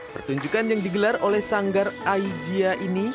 pertunjukan yang digelar oleh sanggar aijia ini